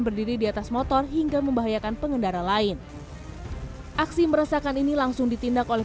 berdiri di atas motor hingga membahayakan pengendara lain aksi meresahkan ini langsung ditindak oleh